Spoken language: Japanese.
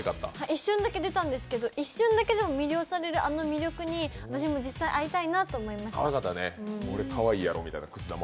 一瞬だけ出たんですけど、一瞬だけでも魅了される、あの魅力に私も実際に会いたいなと思いました。